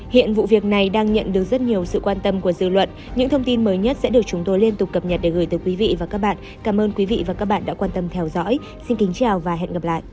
hãy đăng ký kênh để ủng hộ kênh mình nhé